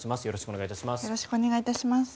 よろしくお願いします。